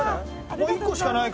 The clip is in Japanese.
もう１個しかないから。